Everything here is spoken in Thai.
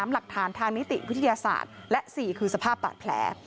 หลักฐานทางนิติวิทยาศาสตร์และ๔คือสภาพบาดแผล